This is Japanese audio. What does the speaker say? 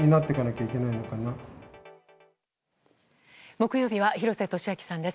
木曜日は廣瀬俊朗さんです。